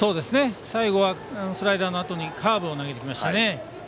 最後はスライダーのあとにカーブを投げてきましたね。